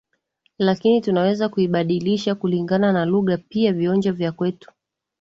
lakini tunaweza kuibadilisha kulingana na lugha pia vionjo vya kwetu